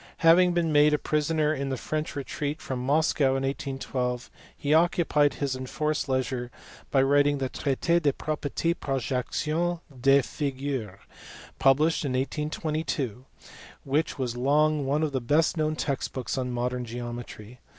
Having been made a prisoner in the French retreat from Moscow in 1812 he occupied his enforced leisure by writing the Traite des proprietes projectiles des figures, published in 1822, which was long one of the best known text books on modern geometry.